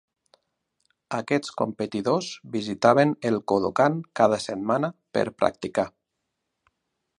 Aquests competidors visitaven el Kodokan cada setmana per practicar.